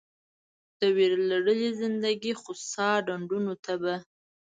د ویرلړلې زندګي خوسا ډنډونو ته به